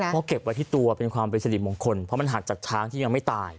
เพราะเก็บไว้ที่ตัวเป็นความเป็นสิริมงคลเพราะมันหักจากช้างที่ยังไม่ตาย